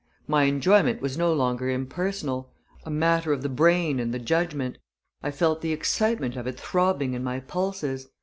My enjoyment was no longer impersonal a matter of the brain and the judgment. I felt the excitement of it throbbing in my pulses.